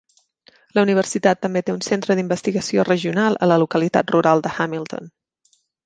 La universitat també té un centre d'investigació regional a la localitat rural de Hamilton.